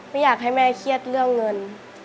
ไม่อยากให้แม่เครียดเรื่องเงิน